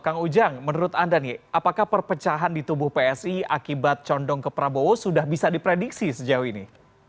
kang ujang menurut anda nih apakah perpecahan di tubuh psi akibat condong ke prabowo sudah bisa diprediksi sejauh ini